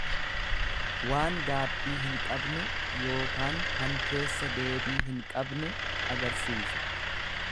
Waan gaabbii hin qabne yookaan kan keessa deebii hin qabne agarsiisa.